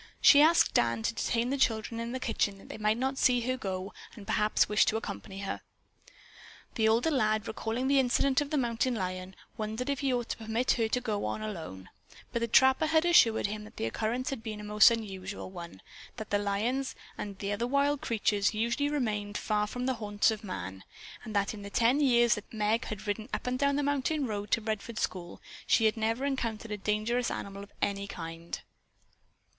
She asked Dan to detain the children in the kitchen that they might not see her go and perhaps wish to accompany her. The older lad, recalling the incident of the mountain lion, wondered if he ought to permit her to go alone, but the trapper had assured him that the occurrence had been a most unusual one, that the lions, and other wild creatures usually remained far from the haunts of man, and that in the ten years that Meg had ridden up and down that mountain road to the Redfords school, she had never encountered a dangerous animal of any kind.